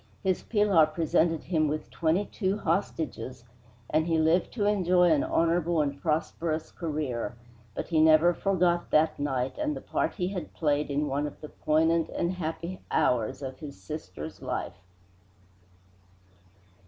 His Pilar presented him with twenty two hostages, and he lived to enjoy an honorable and prosperous career, but he never forgot that night and the part he had played in one of the poignant and happy hours of his sister's life.